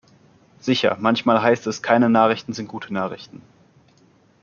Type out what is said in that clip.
Sicher, manchmal heißt es "keine Nachrichten sind gute Nachrichten".